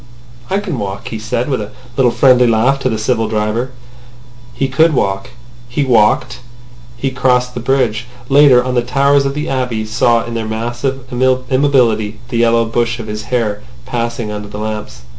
"I can walk," he said, with a little friendly laugh to the civil driver. He could walk. He walked. He crossed the bridge. Later on the towers of the Abbey saw in their massive immobility the yellow bush of his hair passing under the lamps.